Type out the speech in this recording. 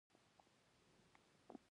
زړه د بدن د وینې پمپ کولو یوځای دی.